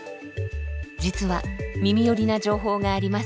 実は耳寄りな情報があります。